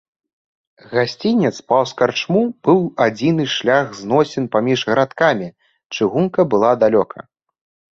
Гасцінец паўз карчму быў адзіны шлях зносін паміж гарадкамі, чыгунка была далёка.